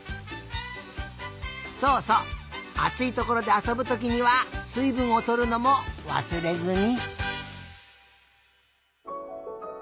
そうそうあついところであそぶときにはすいぶんをとるのもわすれずに。